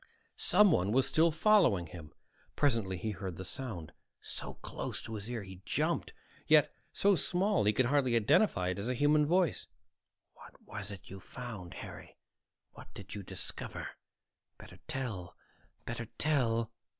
Someone was still following him. Presently he heard the sound, so close to his ear he jumped, yet so small he could hardly identify it as a human voice. "What was it you found, Harry? What did you discover? Better tell, better tell."